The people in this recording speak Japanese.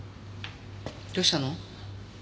どうしたの？